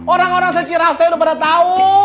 orang orang secirausnya udah pada tau